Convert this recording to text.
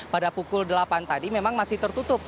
pada pukul delapan tadi memang masih tertutup